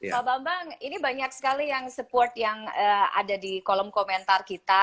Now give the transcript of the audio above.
pak bambang ini banyak sekali yang support yang ada di kolom komentar kita